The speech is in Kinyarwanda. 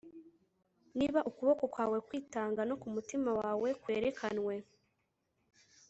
Niba ukuboko kwawe kwitanga no kumutima wawe kwerekanwe